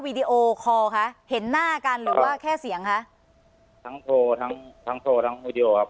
ดีโอคอลคะเห็นหน้ากันหรือว่าแค่เสียงคะทั้งโทรทั้งทั้งโทรทั้งวีดีโอครับ